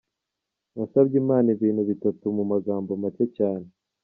Nasabye Imana ibintu bitatu mu magambo make cyane.